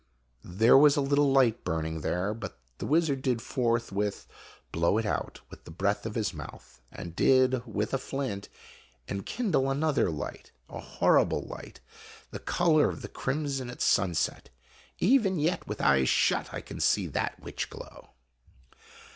There was a little light burning there, but the wizard did forthwith blow it out with the breath of his mouth, and did with a flint enkindle another light a horrible light, the color of the crim son at sunset. Even yet with eyes shut I can see that witch glow.